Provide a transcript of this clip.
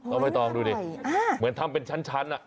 เอาไว้ต้องดูดิอ่าเหมือนทำเป็นชั้นชั้นอ่ะ